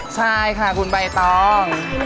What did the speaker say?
ใช่ค่ะคุณใบตอง